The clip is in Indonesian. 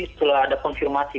setelah ada konfirmasi